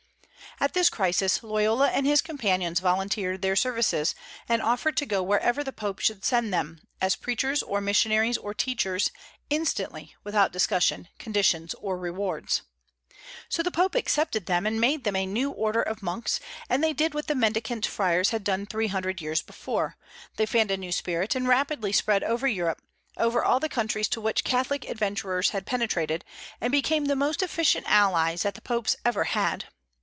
At this crisis Loyola and his companions volunteered their services, and offered to go wherever the Pope should send them, as preachers, or missionaries, or teachers, instantly, without discussion, conditions, or rewards. So the Pope accepted them, made them a new order of monks; and they did what the Mendicant Friars had done three hundred years before, they fanned a new spirit, and rapidly spread over Europe, over all the countries to which Catholic adventurers had penetrated, and became the most efficient allies that the popes ever had.